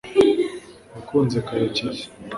wakunze karekezi